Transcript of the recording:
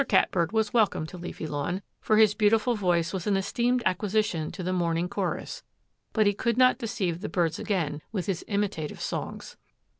Cat bird was welcomed to Leafy Lawn, for his beautiful voice was an esteemed acquisition to the morning chorus, but he could not deceive the birds again with his imitative songs.